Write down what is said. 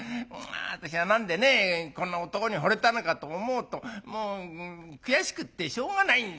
私は何でねこんな男にほれたのかと思うともう悔しくってしょうがないんだよ。